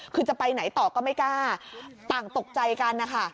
คือจะไปไหนต่อก็ไม่กล้าต่างตกใจกันนะคะ